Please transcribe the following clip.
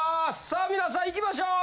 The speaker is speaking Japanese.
さあ皆さんいきましょう。